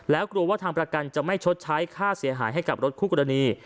แล้วกลัวว่าทางประกันจะไม่ชดใช้ค่าเสียหายให้กับรถคู่กรณี